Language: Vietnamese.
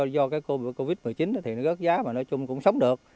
do cái covid một mươi chín thì nó rớt giá mà nói chung cũng sống được